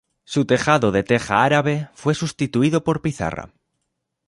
Su tejado de teja árabe fue sustituido por pizarra.